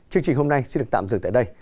chương trình hôm nay xin được tạm dừng tại đây